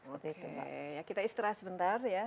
oke kita istirahat sebentar ya